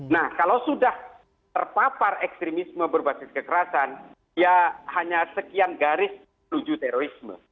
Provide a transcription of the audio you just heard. nah kalau sudah terpapar ekstremisme berbasis kekerasan ya hanya sekian garis menuju terorisme